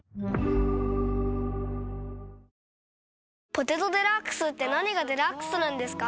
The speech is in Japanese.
「ポテトデラックス」って何がデラックスなんですか？